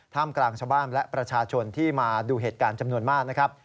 กลางชาวบ้านและประชาชนที่มาดูเหตุการณ์จำนวนมากนะครับ